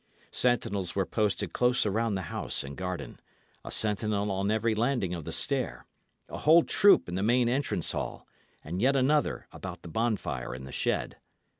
Sentinels were posted close around the house and garden; a sentinel on every landing of the stair, a whole troop in the main entrance hall; and yet another about the bonfire in the shed.